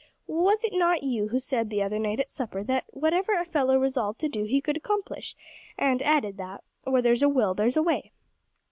"Was it not you who said the other night at supper that whatever a fellow resolved to do he could accomplish, and added that, where there's a will, there's a way?"